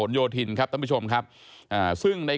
ก็ไม่รู้ว่าฟ้าจะระแวงพอพานหรือเปล่า